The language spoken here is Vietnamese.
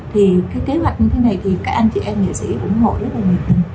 thì cái kế hoạch như thế này thì các anh chị em nghệ sĩ ủng hộ rất là nhiều